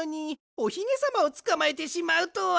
おひげさまをつかまえてしまうとは。